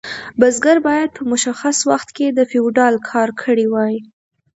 بزګر باید په مشخص وخت کې د فیوډال کار کړی وای.